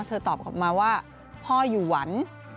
ตอบกลับมาว่าพ่ออยู่หวัน